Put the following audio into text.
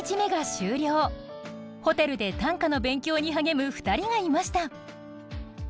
ホテルで短歌の勉強に励む２人がいました。